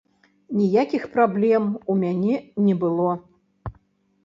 Ніякіх праблем у мяне не было.